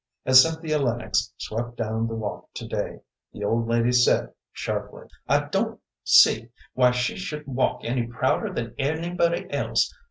As Cynthia Lennox swept down the walk to day, the old lady said, sharply: "I don't see why she should walk any prouder than anybody else.